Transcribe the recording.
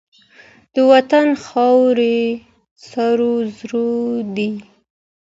د وطن خاورې سرو زرو دي.